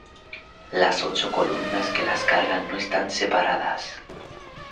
Las ocho columnas que las cargan no están separadas.